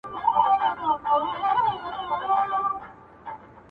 فکرونه ورو ورو پراخېږي ډېر,